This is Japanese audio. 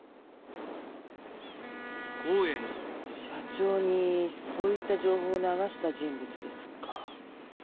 社長にそういった情報を流した人物ですか。